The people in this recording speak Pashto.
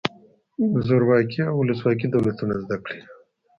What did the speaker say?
زورواکي او ولسواکي دولتونه زده کړئ.